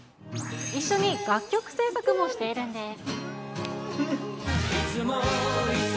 一緒に楽曲制作もしているんです。